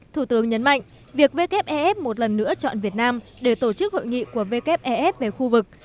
thủ tướng nhấn mạnh việc wf một lần nữa chọn việt nam để tổ chức hội nghị của wef về khu vực